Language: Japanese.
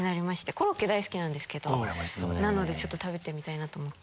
コロッケ大好きなんですなので食べてみたいと思って。